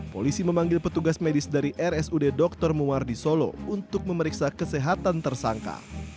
polisi memanggil petugas medis dari rsud dr muwardi solo untuk memeriksa kesehatan tersangka